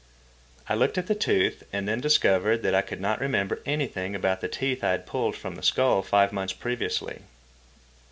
I looked at the tooth, and then discovered that I could not remember anything about the teeth I had pulled from the skull five months previously.